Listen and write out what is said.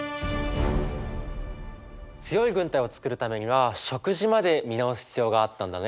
強い軍隊を作るためには食事まで見直す必要があったんだね。